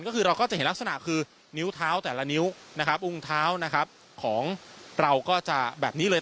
ก็คือเราก็จะเห็นลักษณะคือนิ้วเท้าแต่ละนิ้วนะครับอุ้งเท้านะครับของเราก็จะแบบนี้เลย